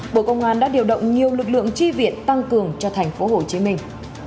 bộ công an đã điều động nhiều lực lượng tri viện tăng cường cho thành phố hồ chí minh